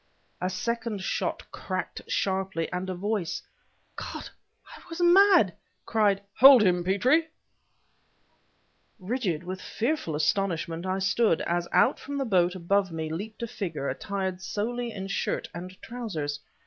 A second shot cracked sharply; and a voice (God! was I mad!) cried: "Hold him, Petrie!" Rigid with fearful astonishment I stood, as out from the boat above me leaped a figure attired solely in shirt and trousers.